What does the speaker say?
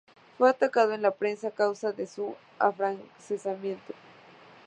Fue atacado en la prensa a causa de su afrancesamiento.